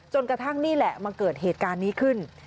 กระทั่งนี่แหละมาเกิดเหตุการณ์นี้ขึ้น